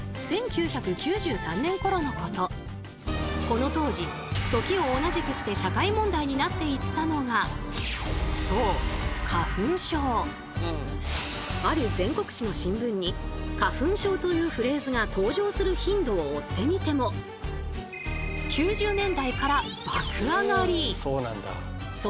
この当時時を同じくして社会問題になっていったのがそうある全国紙の新聞に「花粉症」というフレーズが登場する頻度を追ってみても９０年代から爆上がり！